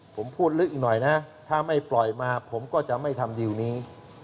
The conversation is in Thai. ผมพูดลึกอีกหน่อยนะถ้าไม่ปล่อยมาผมก็จะไม่ทำดีลนี้